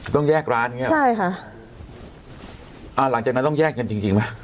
ต้องแยกร้านอย่างเงี้หรอใช่ค่ะอ่าหลังจากนั้นต้องแยกกันจริงจริงไหม